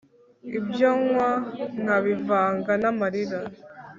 ibyo nywa nkabivanga n'amarira